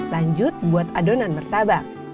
lanjut buat adonan martabak